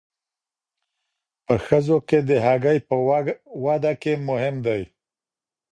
په ښځو کې د هګۍ په وده کې مهم دی.